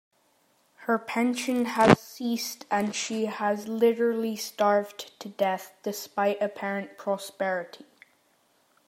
Her pension has ceased and she has literally starved to death, despite apparent prosperity.